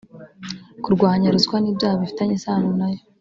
kurwanya ruswa n’ibyaha bifitanye isano na yo